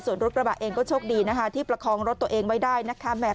ส่วนรถกระบะเองก็โชคดีนะคะที่ประคองรถตัวเองไว้ได้นะคะ